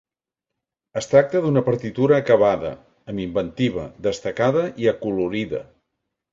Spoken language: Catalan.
Es tracta d'una partitura acabada, amb inventiva, destacada i acolorida.